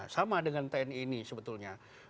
sama dengan tni ini sebetulnya